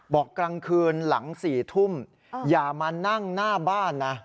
กลางคืนหลัง๔ทุ่มอย่ามานั่งหน้าบ้านนะ